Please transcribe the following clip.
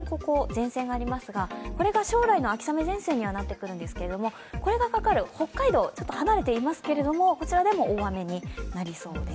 日本海側に前線がありますがこれが将来の秋雨前線にはなってくるんですが、これがかかる北海道、ちょっと離れていますけれども、こちらでも大雨になりそうです。